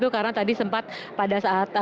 karena tadi sempat pada saat